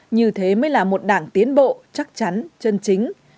như thế mới là một đảng tiến bộ chắc chắn chân chính